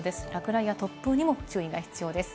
落雷や突風にも注意が必要です。